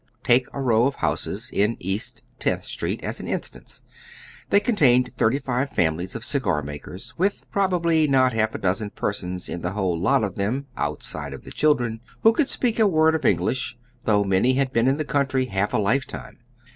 Take a row of honses in East Tenth Street as an instance. They contained thirty five families of cigar makers, with probably not half a dozen persons in the whole lot of them, outside of the children, who could speak a word of English, though many had been in the country half a lifetime.